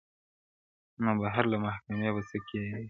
نو بهر له محکمې به څه تیریږي -